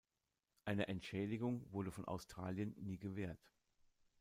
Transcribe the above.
Eine Entschädigung wurde von Australien nie gewährt.